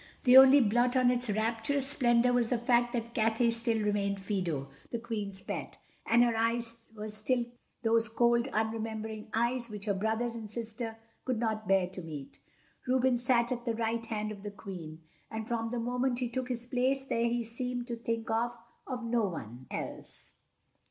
The only blot on its rapturous splendor was the fact that Cathay still remained Fido, the Queen's pet—and her eyes were still those cold, unremembering eyes which her brothers and sister could not bear to meet. Reuben sat at the right hand of the Queen, and from the moment he took his place there he seemed to think of no one else.